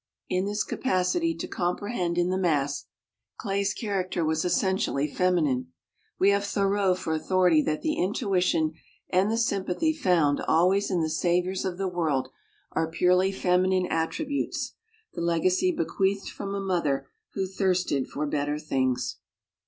In this capacity to comprehend in the mass, Clay's character was essentially feminine. We have Thoreau for authority that the intuition and the sympathy found always in the saviors of the world are purely feminine attributes the legacy bequeathed from a mother who thirsted for better things.